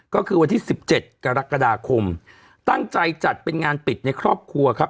ก็คือวันที่๑๗กรกฎาคมตั้งใจจัดเป็นงานปิดในครอบครัวครับ